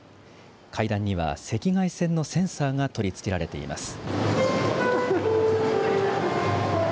階段には赤外線のセンサーが取りつけられています。